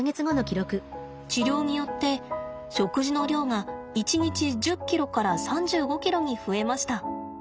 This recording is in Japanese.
治療によって食事の量が一日１０ｋｇから３５ｋｇに増えました。